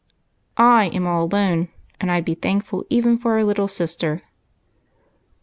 I am all alone, and I 'd be thankful even for a little sister."